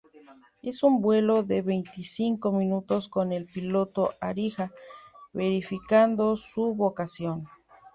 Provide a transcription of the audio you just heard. Hizo un vuelo de veinticinco minutos con el piloto Arija verificando su vocación.